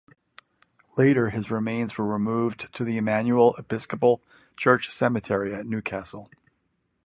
Later his remains were removed to the Immanuel Episcopal Church Cemetery at New Castle.